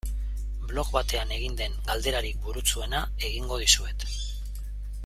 Blog batean egin den galderarik burutsuena egingo dizuet.